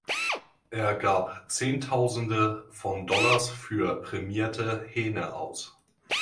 Er gab Zehntausende von Dollars für prämierte Hähne aus.